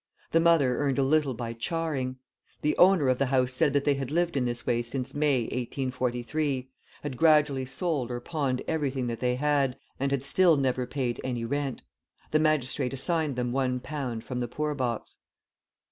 The mother earned a little by charring. The owner of the house said that they had lived in this way since May, 1843, had gradually sold or pawned everything that they had, and had still never paid any rent. The magistrate assigned them 1 pound from the poor box.